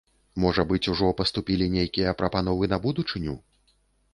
Можа быць, ужо паступілі нейкія прапановы на будучыню?